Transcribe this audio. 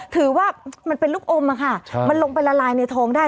ถือว่ามันเป็นลูกอมอะค่ะมันลงไปละลายในท้องได้